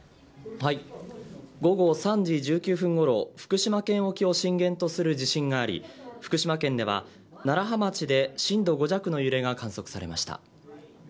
午後３時１９分ごろ福島県沖を震源とする地震があり、福島県では楢葉町で震度５弱の揺れが観測されました。